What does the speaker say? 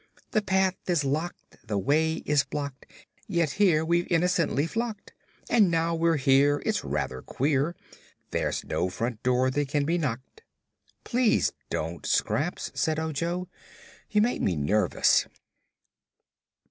"The path is locked, the way is blocked, Yet here we've innocently flocked; And now we're here it's rather queer There's no front door that can be knocked." "Please don't, Scraps," said Ojo. "You make me nervous."